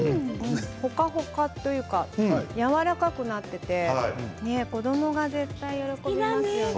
ほかほかというかやわらかくなっていて子どもが絶対、喜びますよね。